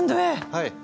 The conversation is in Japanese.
はい。